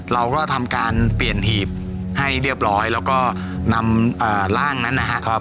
เราก็ทำการเปลี่ยนหีบให้เรียบร้อยแล้วก็นำร่างนั้นนะครับ